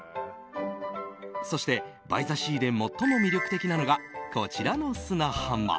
そして、バイザシーで最も魅力的なのがこちらの砂浜。